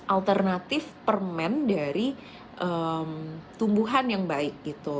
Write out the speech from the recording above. alternatif permen dari tumbuhan yang baik gitu